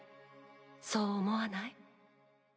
そう思わない？